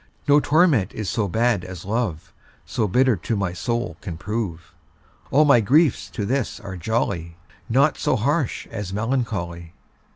No torment is so bad as love, So bitter to my soul can prove. All my griefs to this are jolly, Naught so harsh as melancholy.